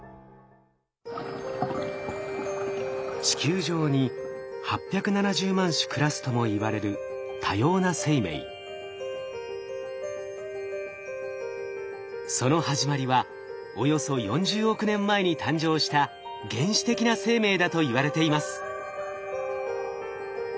地球上に８７０万種暮らすともいわれるその始まりはおよそ４０億年前に誕生した原始的な生命だといわれています。